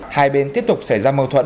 hai bên tiếp tục xảy ra mâu thuẫn